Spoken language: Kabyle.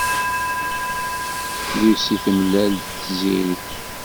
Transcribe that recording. Lucy temlal-d Tiziri.